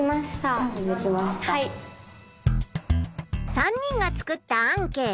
３人が作ったアンケート。